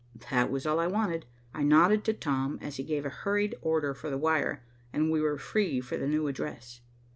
That was all I wanted. I nodded to Tom, as he gave a hurried order for the wire, and we were free for the new address.